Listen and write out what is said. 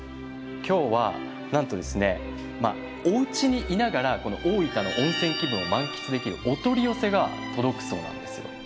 今日はなんとですねまあおうちにいながらこの大分の温泉気分を満喫できるお取り寄せが届くそうなんですよ。